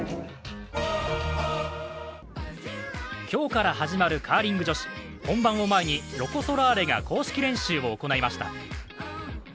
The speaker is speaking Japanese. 今日から始まるカーリング女子、本番を前にロコ・ソラーレが公式練習を行いました。